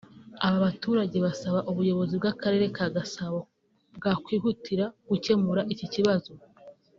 Aba baturage basaba ubuyobozi bw’Akarere ka Gasabo bwakwihutira gukemura iki kibazo